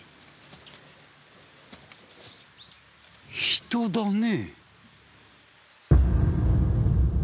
人だね。